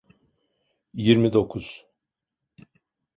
Yirmi dokuz.